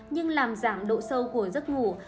nhưng làm giảm độ sâu của giấc ngủ